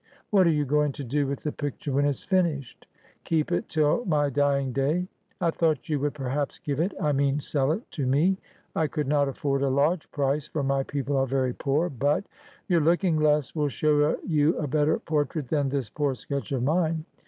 ' What are you going to do with the picture when it's finished ?'' Keep it till my dying day.' 'I thought you would perhaps give it — I mean sell it — to me. I could not afford a large price, for my people are very poor, but ——'' Your looking glass will show you a better portrait than this poor sketch of mine.